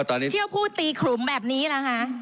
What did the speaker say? เที่ยวผู้ตีขลุมแบบนี้ล่ะฮะ